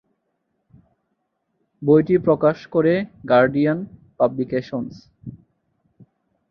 বইটি প্রকাশ করে guardian publications.